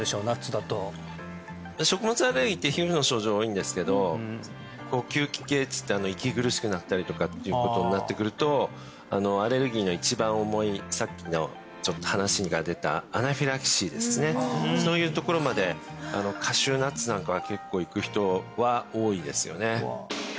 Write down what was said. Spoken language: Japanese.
ナッツだと食物アレルギーって皮膚の症状多いんですけど呼吸器系っつって息苦しくなったりとかっていうことになってくるとアレルギーの一番重いさっきのちょっと話が出たアナフィラキシーですねそういうところまでカシューナッツなんかは結構いく人は多いですよね